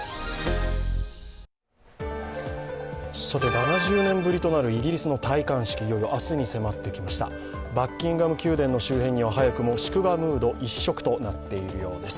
７０年ぶりとなるイギリスの戴冠式、いよいよ明日に迫ってきましたバッキンガム宮殿の周辺には早くも祝賀ムード一色となっているようです。